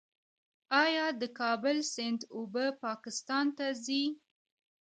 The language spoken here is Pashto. آیا د کابل سیند اوبه پاکستان ته ځي؟